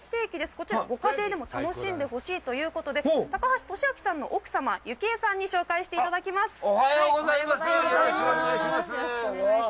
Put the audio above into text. こちら、ご家庭でも楽しんでほしいということで、高橋敏昭さんの奥様、幸恵さんに紹介していただきます。